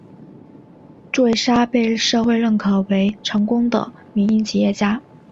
祝维沙被社会认可为成功的民营企业家。